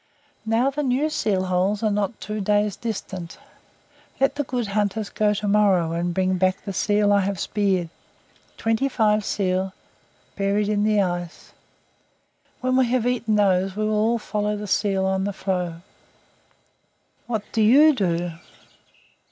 Now the new seal holes are not two days distant. Let the good hunters go to morrow and bring back the seal I have speared twenty five seal buried in the ice. When we have eaten those we will all follow the seal on the floe." "What do YOU do?"